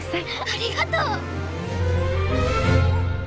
ありがとう！